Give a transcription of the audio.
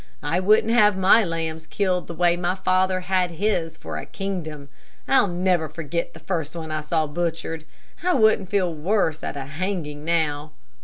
I wouldn't have my lambs killed the way my father had his for a kingdom. I'll never forget the first one I saw butchered. I wouldn't feel worse at a hanging now.